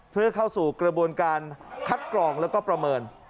เพื่อเข้าสู่กระบวนการคัดกรองแล้วก็ประเมิน